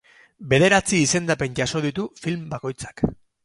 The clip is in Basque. Bederatzi izendapen jaso ditu film bakoitzak.